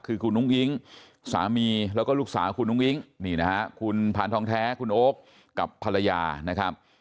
คือคุณอุ้งอิ๊งสามีแล้วก็ลูกสาวคุณอุ้งอิ๊งนี่นะฮะคุณพานทองแท้คุณโอ๊คกับภรรยานะครับ